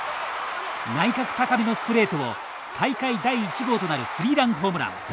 内角高めのストレートを大会第１号となるスリーランホームラン。